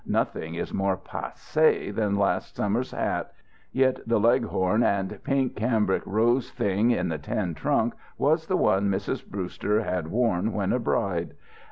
Nothing is more passé than a last summer's hat, yet the leghorn and pink cambric rose thing in the tin trunk was the one Mrs. Brewster had worn when a bride.